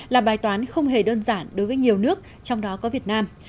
là bài toán không hề đơn giản đối với nhiều nước trong đó có việt nam